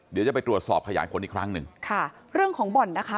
เดี๋ยวจะไปตรวจสอบขยายผลอีกครั้งหนึ่งค่ะเรื่องของบ่อนนะคะ